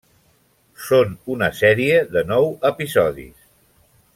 Són una sèrie de nou episodis.